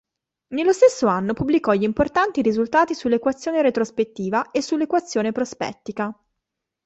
Nello stesso anno pubblicò gli importanti risultati sull'equazione retrospettiva e sull'equazione prospettica.